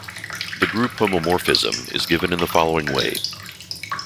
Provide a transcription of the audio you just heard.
The group homomorphism is given in the following way.